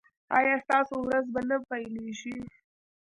ایا ستاسو ورځ به نه پیلیږي؟